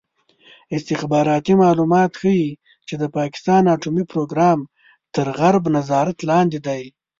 استخباراتي معلومات ښيي چې د پاکستان اټومي پروګرام تر غرب نظارت لاندې دی.